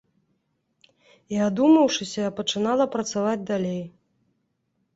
І, адумаўшыся, я пачынала працаваць далей.